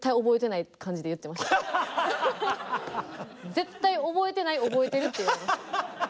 絶対覚えてない覚えてるって言われました。